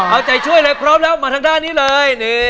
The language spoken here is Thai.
เอาใจช่วยเลยพร้อมแล้วมาทางด้านนี้เลย